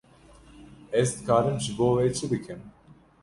Ez dikarim bo we çi bikim?